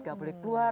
tidak boleh keluar